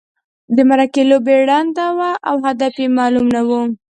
د مرګي لوبه ړنده وه او هدف یې معلوم نه وو.